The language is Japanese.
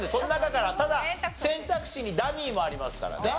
ただ選択肢にダミーもありますからね。